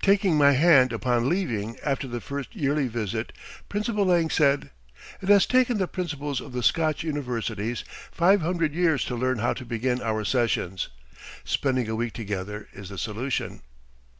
Taking my hand upon leaving after the first yearly visit, Principal Lang said: "It has taken the principals of the Scotch universities five hundred years to learn how to begin our sessions. Spending a week together is the solution."